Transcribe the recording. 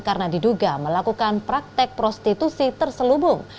karena diduga melakukan praktek prostitusi terselubung